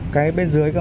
cái bên dưới cơ mà